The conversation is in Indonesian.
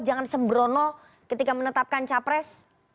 jangan sembrono ketika menetapkan capres